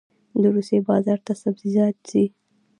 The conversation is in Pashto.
د روسیې بازار ته سبزیجات ځي